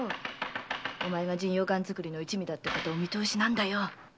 お前が神陽丸作りの一味だってことはお見通しなんだよ。